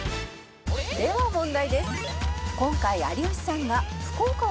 では問題です」